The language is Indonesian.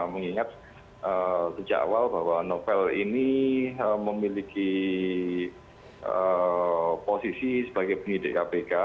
mengingat sejak awal bahwa novel ini memiliki posisi sebagai penyidik kpk